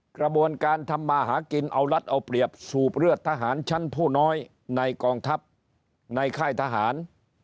กระบวนการทำมาหากินเอารัฐเอาเปรียบสูบเลือดทหารชั้นผู้น้อยในกองทัพในค่ายทหาร